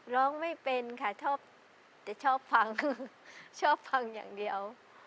ร้องไม่เป็นค่ะชอบแต่ชอบฟังคือชอบฟังอย่างเดียว